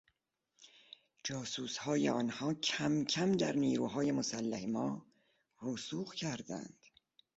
جاسوسهای آنها کمکم در نیروهای مسلح ما رسوخ کردند.